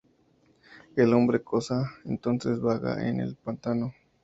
El Hombre-Cosa entonces vaga en el pantano.